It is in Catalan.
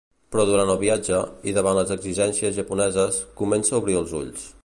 Però durant el viatge, i davant les exigències japoneses, comença a obrir els ulls.